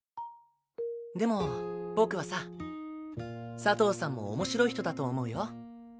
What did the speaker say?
でも僕はさ佐藤さんも面白い人だと思うよ。